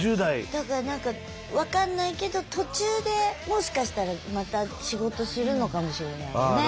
だから分かんないけど途中でもしかしたらまた仕事するのかもしれないよね。